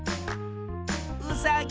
うさぎ。